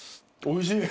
おいしい。